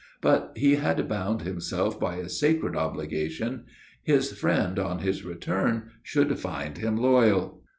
But he had bound himself by a sacred obligation. His friend on his return should find him loyal.